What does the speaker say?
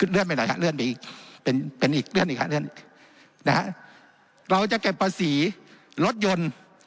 เราจะเก็บภาษีรถยนต์